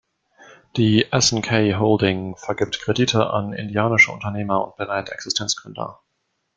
Die "S&K Holding" vergibt Kredite an indianische Unternehmer und berät Existenzgründer.